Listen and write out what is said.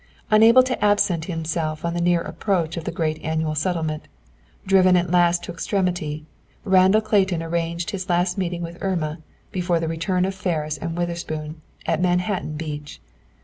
Unable to absent himself on the near approach of the great annual settlement, driven at last to extremity, Randall Clayton arranged his last meeting with Irma, before the return of Ferris and Witherspoon, at Manhattan Beach.